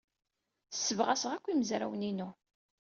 Ssebɣaseɣ akk imezrawen-inu.